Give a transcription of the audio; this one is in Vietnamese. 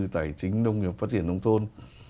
tài chính đông nghiệp phát triển đông thôn